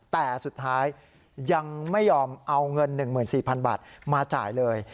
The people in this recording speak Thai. แต่สุดท้ายยังไม่ยอมเอาเงิน๑๔๐๐๐บาทมาจ่ายเลย